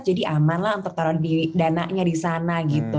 jadi aman lah yang tertaruh di dananya di sana gitu